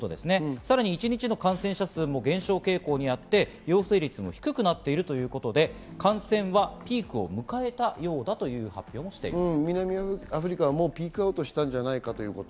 さらに一日の感染者数も減少傾向にあって、陽性率も低くなっているということで、感染はピークを迎えたようだという発表もしています。